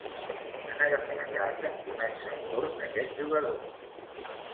En agafar la carta, comença el torn d'este jugador.